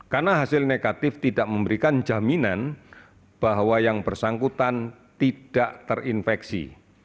karena hasil negatif tidak memberikan jaminan bahwa yang bersangkutan tidak terinfeksi